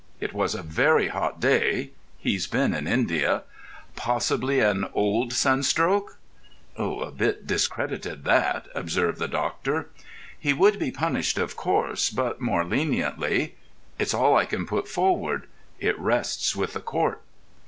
It was a very hot day—he's been in India—possibly an old sunstroke——" "A bit discredited, that," observed the doctor. "He would be punished, of course, but more leniently. It's all I can put forward. It rests with the Court."